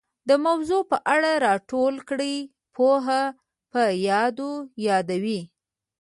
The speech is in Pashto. د موضوع په اړه را ټوله کړې پوهه په یادو یادوي